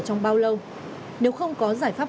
trong bao lâu nếu không có giải pháp